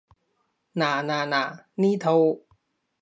嗱嗱嗱，呢套